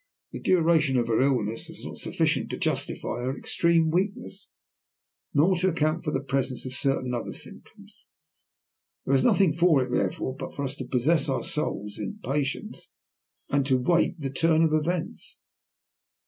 The duration of her illness was not sufficient to justify her extreme weakness, nor to account for the presence of certain other symptoms. There was nothing for it, therefore, but for us to possess our souls in patience and to wait the turn of events.